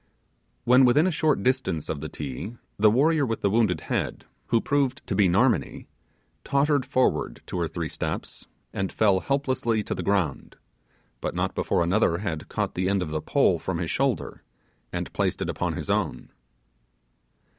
When within a short distance of the Ti, the warrior with the wounded head, who proved to be Narmonee, tottered forward two or three steps, and fell helplessly to the ground; but not before another had caught the end of the pole from his shoulder, and placed it upon his own.